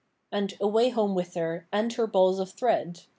And away home with her, and her balls of thread.